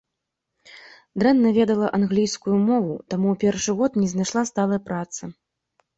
Дрэнна ведала англійскую мову, таму ў першы год не знайшла сталай працы.